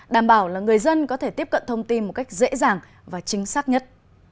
đảm bảo là người dân có thể tiếp cận thông tin một cách dễ dàng và chính xác nhất